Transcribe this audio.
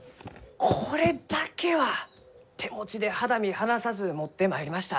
これだけは手持ちで肌身離さず持ってまいりました！